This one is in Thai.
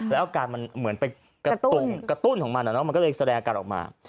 แล้วอาการมันเหมือนไปกระตุ้นของมันมันก็เลยแสดงการออกมา